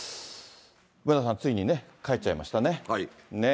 梅沢さん、ついにね、帰っちゃいましたね。